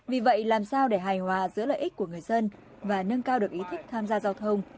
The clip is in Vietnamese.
vì vậy làm sao để hài hòa giữa lợi ích của người dân và nâng cao được ý thức tham gia giao thông